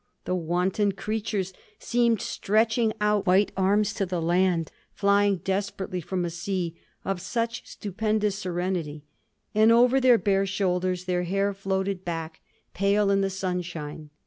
The wanton creatures seemed stretching out white arms to the land, flying desperately from a sea of such stupendous serenity; and over their bare shoulders their hair floated back, pale in the sunshine.